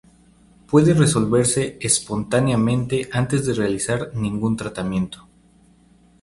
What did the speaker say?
Puede resolverse espontáneamente antes de realizar ningún tratamiento.